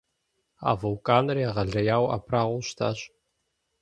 А вулканыр егъэлеяуэ абрагъуэу щытащ.